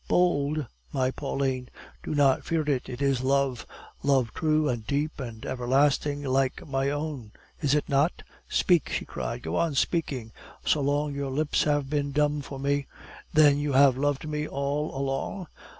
"Bold, my Pauline? Do not fear it. It is love, love true and deep and everlasting like my own, is it not?" "Speak!" she cried. "Go on speaking, so long your lips have been dumb for me." "Then you have loved me all along?"